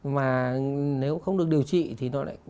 mà nếu không được điều trị thì nó lại